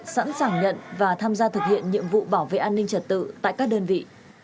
sẵn sàng nhận và tham gia thực hiện nhiệm vụ bảo vệ an ninh trật tự tại các đơn vị